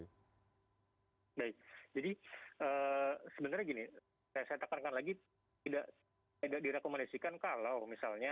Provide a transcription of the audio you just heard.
baik jadi sebenarnya gini saya tekankan lagi tidak direkomendasikan kalau misalnya